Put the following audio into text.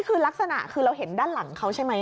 คือลักษณะคือเราเห็นด้านหลังเขาใช่ไหม